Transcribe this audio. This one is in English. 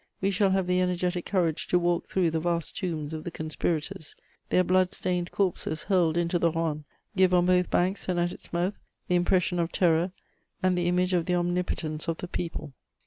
We shall have the energetic courage to walk through the vast tombs of the conspirators.... Their blood stained corpses, hurled into the Rhône, give on both banks and at its mouth the impression of terror and the image of the omnipotence of the people.